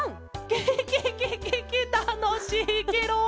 ケケケケケたのしいケロ！